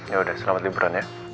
yaudah selamat liburan ya